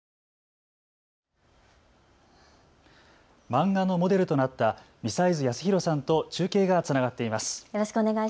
漫画のモデルとなった美齊津康弘さんと中継がつながっています。